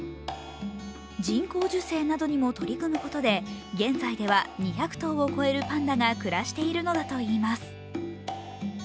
人工授精などにも取り組むことで現在では２００頭を超えるパンダが暮らしているのだといいます。